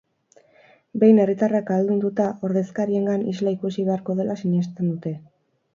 Behin herritarrak ahaldunduta, ordezkariengan isla ikusi beharko dela sinesten dute.